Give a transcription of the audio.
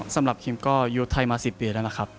สำหรับคิมก็อยู่ไทยมา๑๐ปีแล้วนะครับ